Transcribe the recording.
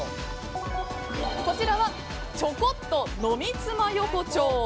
こちらは“ちょこ”っと呑みつま横丁。